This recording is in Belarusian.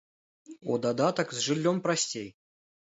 У дадатак, з жыллём прасцей.